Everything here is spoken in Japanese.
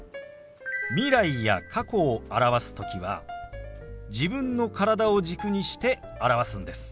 未来や過去を表す時は自分の体を軸にして表すんです。